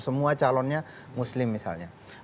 semua calonnya muslim misalnya